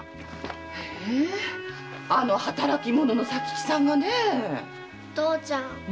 あの働き者の佐吉さんがねェ⁉父ちゃん